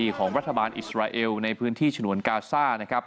จมตีของรัฐบาลอิสราเอลในพื้นที่ฉนวนกาซ่า